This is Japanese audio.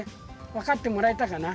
わかってもらえたかな？